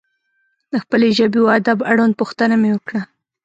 د خپلې ژبې و ادب اړوند پوښتنه مې وکړه.